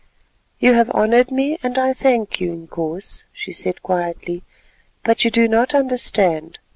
"You have honoured me, and I thank you, Inkoos," she said quietly, "but you do not understand.